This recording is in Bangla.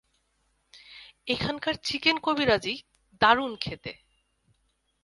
এখানকার চিকেন কবিরাজি দারুণ খেতে।